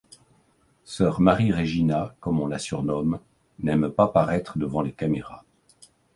Sœur Marie-Régina, comme on la surnomme, n'aime pas paraître devant les caméras.